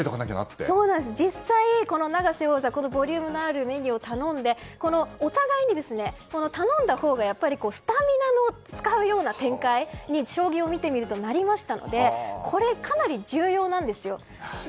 実際、永瀬王座ボリュームのあるメニューを頼んでお互いに頼んだほうがスタミナを使うような展開に将棋を見てみるとなりましたのでこれ、かなり重要なんですよ。